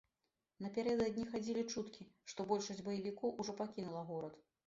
Напярэдадні хадзілі чуткі, што большасць баевікоў ужо пакінула горад.